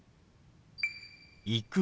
「行く」。